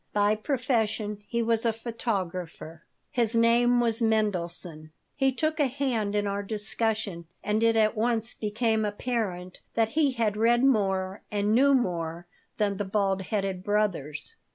By profession he was a photographer. His name was Mendelson. He took a hand in our discussion, and it at once became apparent that he had read more and knew more than the bald headed brothers.